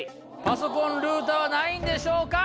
パソコン・ルーターは何位でしょうか？